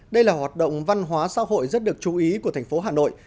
đây là hoạt động văn hóa xã hội rất được chú ý của thành phố hà nội